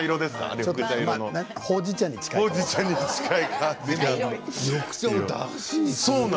ほうじ茶に近いかな。